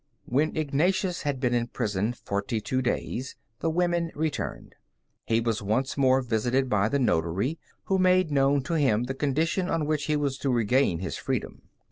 When Ignatius had been in prison forty two days, the women returned. He was once more visited by the notary, who made known to him the condition on which he was to regain his freedom.